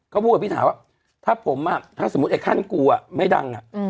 เขาพูดกับพี่ถาวอ่ะถ้าผมอ่ะถ้าสมมุติไอ้ขั้นกูอ่ะไม่ดังอ่ะ